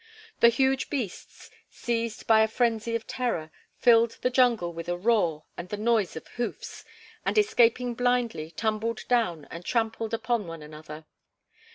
The huge beasts, seized by a frenzy of terror, filled the jungle with a roar and the noise of hoofs, and, escaping blindly, tumbled down and trampled upon one another.